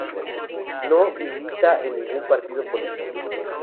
No milita en ningún partido político.